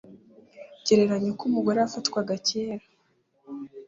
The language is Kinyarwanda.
Gereranya uko umugore yafatwaga kera